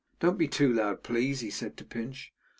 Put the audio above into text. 'Don't be too loud, please,' he said to Pinch.